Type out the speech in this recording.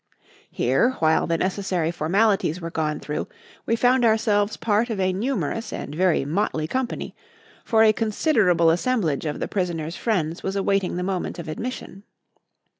Here, while the necessary formalities were gone through, we found ourselves part of a numerous and very motley company, for a considerable assemblage of the prisoners' friends was awaiting the moment of admission.